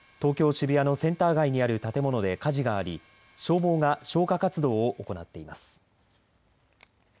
渋谷のセンター街にある建物で火事があり消防が消火活動を行っています。